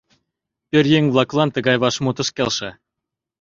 Пӧръеҥ-влаклан тыгай вашмут ыш келше.